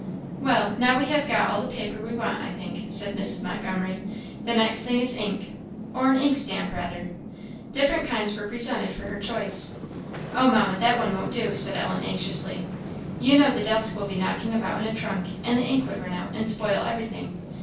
"Well, now we have got all the paper we want, I think," said Mrs. Montgomery; "the next thing is ink or an inkstand, rather." Different kinds were presented for her choice. "Oh, Mamma, that one won't do," said Ellen, anxiously; "you know the desk will be knocking about in a trunk, and the ink would run out, and spoil every thing.